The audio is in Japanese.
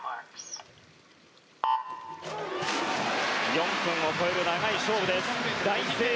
４分を超える長い勝負です。